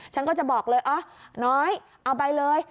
ฉันก็จะบอกเลยอ๋อน้อยเอาไปเลย